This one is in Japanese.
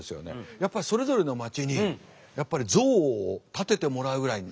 やっぱりそれぞれの町に像を建ててもらうぐらいに。